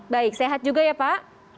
baik sehat juga ya pak